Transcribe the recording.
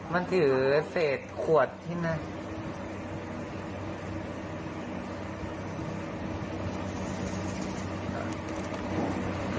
มันถือเศษขวดที่นั่น